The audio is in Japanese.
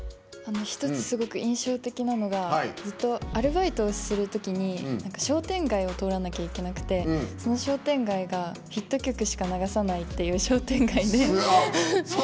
一つ、すごく印象的なのがずっとアルバイトをするときに商店街を通らないといけなくてその商店街がヒット曲しか流さないっていう商店街で。